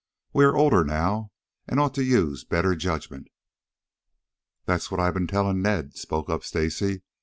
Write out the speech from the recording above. We are older now and ought to use better judgment." "That's what I've been telling Ned," spoke up Stacy.